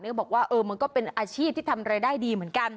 ก็บอกว่าเออมันก็เป็นอาชีพที่ทำรายได้ดีเหมือนกัน